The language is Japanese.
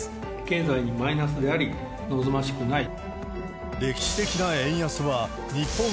経済にマイナスであり、望ましくない。